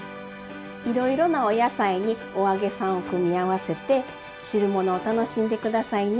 いろいろなお野菜にお揚げさんを組み合わせて汁物を楽しんで下さいね。